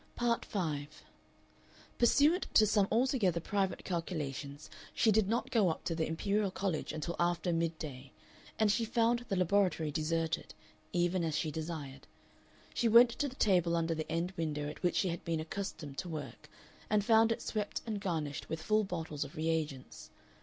Part 5 Pursuant to some altogether private calculations she did not go up to the Imperial College until after mid day, and she found the laboratory deserted, even as she desired. She went to the table under the end window at which she had been accustomed to work, and found it swept and garnished with full bottles of re agents.